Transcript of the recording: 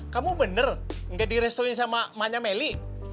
kamu bener gak direstorin sama manya meli